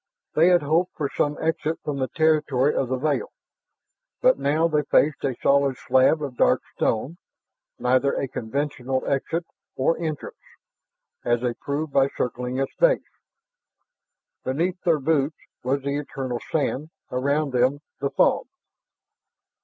They had hoped for some exit from the territory of the veil, but now they faced a solid slab of dark stone, neither a conventional exit or entrance, as they proved by circling its base. Beneath their boots was the eternal sand, around them the fog.